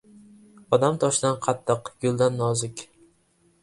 • Odam toshdan qattiq, guldan nozik.